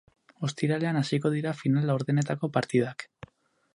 Ostiralean hasiko dira final-laurdenetako partidak.